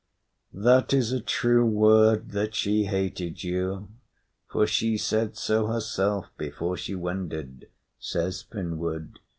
"That is a true word that she hated you, for she said so herself before she wended," says Finnward.